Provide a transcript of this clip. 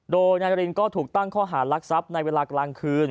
โดยนายนารินก็ถูกตั้งข้อหารักทรัพย์ในเวลากลางคืน